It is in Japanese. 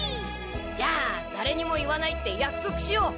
じゃあだれにも言わないってやくそくしよう！